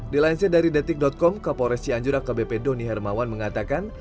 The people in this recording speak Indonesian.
dilansir dari detik com kapolres cianjur akbp doni hermawan mengatakan